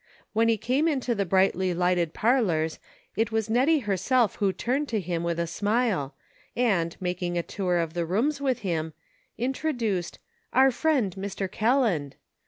When he came into the brightly lighted par lors it was Nettie herself who turned to him with a smile, and, making a tour of the rooms with him, introduced "our friend Mr. Kelland."